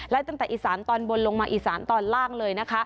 และตั้งแต่อีสานตอนบนลงมาอีสานตอนล่างเลยนะคะ